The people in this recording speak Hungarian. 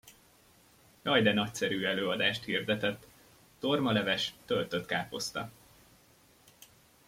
Jaj de nagyszerű előadást hirdetett: Tormaleves, töltött káposzta.